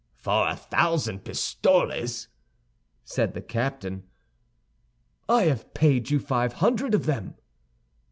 "For a thousand pistoles," said the captain. "I have paid you five hundred of them."